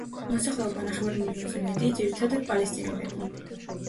მოსახლეობა ნახევარ მილიონზე მეტი, ძირითადად პალესტინელები.